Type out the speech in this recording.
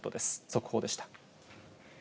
速報でした。